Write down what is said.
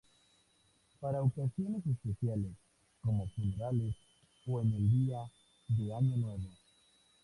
Para ocasiones especiales, como funerales o en el Día de Año Nuevo.